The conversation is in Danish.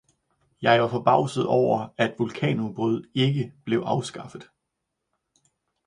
Jeg var forbavset over, at vulkanudbrud ikke blev afskaffet!